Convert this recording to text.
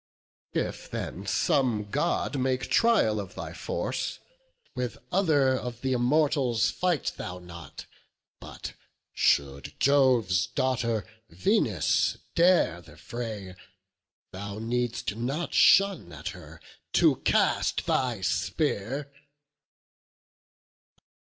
If then some God make trial of thy force, With other of th' Immortals fight thou not; But should Jove's daughter Venus dare the fray Thou needst not shun at her to cast thy spear."